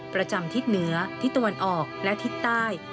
ประจำทิศเหนือทิศตะวันออกและทิศใต้